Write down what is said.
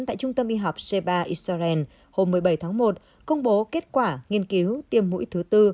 tại trung tâm y học c ba israel hôm một mươi bảy tháng một công bố kết quả nghiên cứu tiêm mũi thứ tư